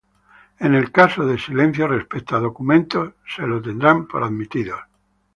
En el caso de silencio respecto a documentos, se lo tendrán por admitidos.